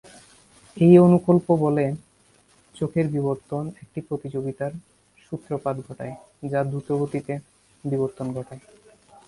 এই অনুকল্প বলে, চোখের বিবর্তন একটি প্রতিযোগিতার সূত্রপাত ঘটায় যা দ্রুতগতিতে বিবর্তন ঘটায়।